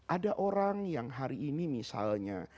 ada orang yang hari ini misalnya